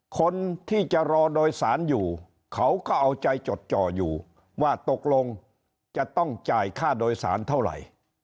คนที่จะรอโดยสารอยู่เขาก็เอาใจจดจ่ออยู่ว่าตกลงจะต้องจ่ายค่าโดยสารเท่าไหร่